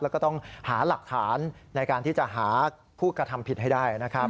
แล้วก็ต้องหาหลักฐานในการที่จะหาผู้กระทำผิดให้ได้นะครับ